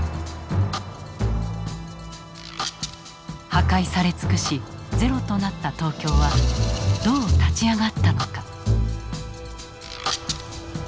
破壊され尽くしゼロとなった東京はどう立ち上がったのか。